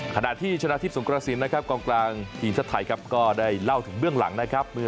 ขณะที่ชนะทิพย์สงกระสินนะครับกองกลางทีมชาติไทยครับก็ได้เล่าถึงเบื้องหลังนะครับ